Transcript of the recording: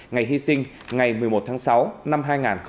ngày hy sinh ngày một mươi một tháng sáu năm hai nghìn hai mươi